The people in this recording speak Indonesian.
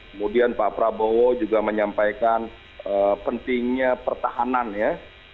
kemudian pak prabowo juga menyampaikan pentingnya pertahanan ya